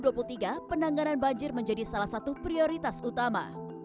dalam apbd dki tahun dua ribu dua puluh tiga penanganan banjir menjadi salah satu prioritas utama